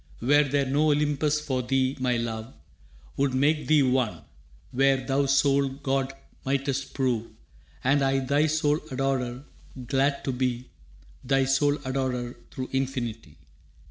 «Were there no Olympus for thee, my love Would make thee one, where thou sole god mightst prove, And I thy sole adorer, glad to be Thy sole adorer through infinity.